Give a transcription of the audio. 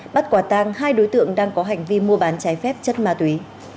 bắt quả tang hai đối tượng đang có hành vi mua bán trái phép chất ma túy